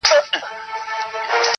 چوپه خوله سو له هغې ورځي ګونګی سو-